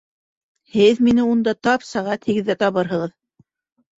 Һеҙ мине унда тап сәғәт һигеҙҙә табырһығыҙ.